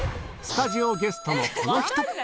スタジオゲストのこの人！